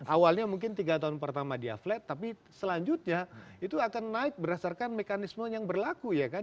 awalnya mungkin tiga tahun pertama dia flat tapi selanjutnya itu akan naik berdasarkan mekanisme yang berlaku ya kan